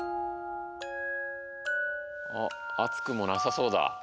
おっあつくもなさそうだ。